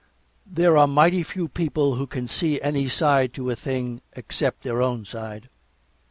There are mighty few people who can see any side to a thing except their own side.